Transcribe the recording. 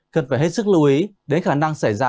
cần phải hết sức lưu ý đến khả năng xảy ra